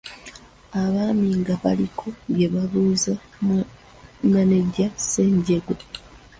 Abaami nga baliko bye babuuza Mmaneja Ssejjengo.